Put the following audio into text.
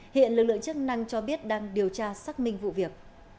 hiện lực lượng chức năng cho biết đang điều tra xác minh vụ việc